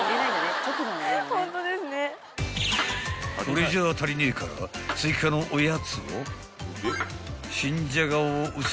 ［これじゃあ足りねえから追加のおやつを］